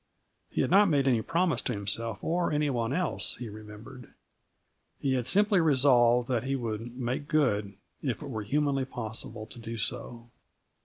He had not made any promise to himself or any one else, he remembered. He had simply resolved that he would make good, if it were humanly possible to do so.